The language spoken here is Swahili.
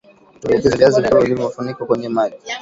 Tumbukiza viazi vikavu ulivyovifunika kwenye maji